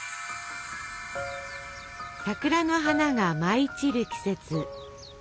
桜の花が舞い散る季節。